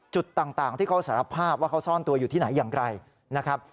จุดต่างที่เขาสารภาพว่าเขาซ่อนตัวอยู่ที่ไหนอย่างไรนะครับ